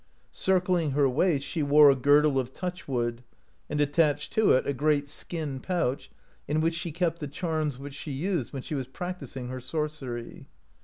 Circling her waist she wore a girdle of touch wood, an4 attached to it a great skin pouch, in which she kept the charms which she used when she was practising her sor cery.